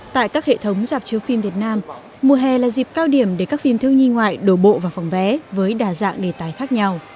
tại các hệ thống dạp chiếu phim việt nam mùa hè là dịp cao điểm để các phim thiếu nhi ngoại đổ bộ vào phòng vé với đa dạng đề tài khác nhau